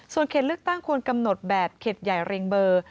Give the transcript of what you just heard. ส่วนเขตเลือกตั้งควรกำหนดแบบเขตใหญ่ริงเบอร์